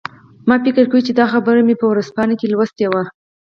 ما فکر کوم چې دا خبر مې په ورځپاڼو کې لوستی و